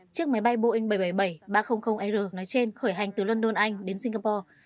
chiếc máy bay boeing bảy trăm bảy mươi bảy ba trăm linh r nói trên khởi hành từ london anh đến singapore